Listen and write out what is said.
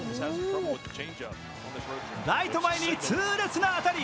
ライト前に痛烈な当たり。